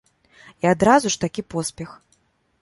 І адразу ж такі поспех.